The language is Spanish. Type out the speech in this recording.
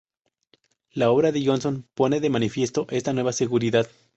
La obra de Jonson pone de manifiesto esta nueva seguridad.